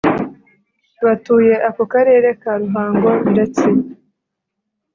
Batuye ako karere ka ruhango ndetse